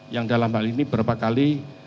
yang dalam hal ini berapa kali